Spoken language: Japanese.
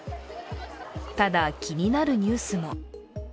ただ、気になるニュースも。